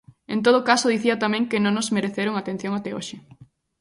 En todo caso, dicía tamén que non nos mereceron atención até hoxe.